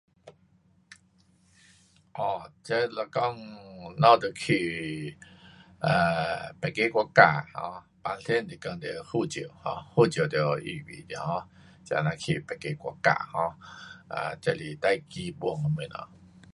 um 这是讲咱们若去 um 别个国家，平常是讲得护照，um 护照得预备，um 这啊呐去别个国家，um 这是最基本的东西。